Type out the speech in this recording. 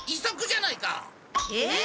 えっ？